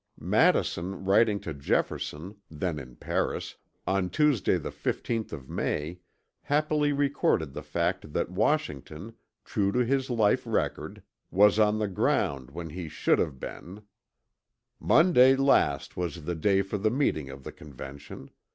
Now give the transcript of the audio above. Madison writing to Jefferson, then in Paris, on Tuesday, the 15th of May, happily recorded the fact that Washington, true to his life record, was on the ground when he should have been: "Monday last was the day for the meeting of the Convention.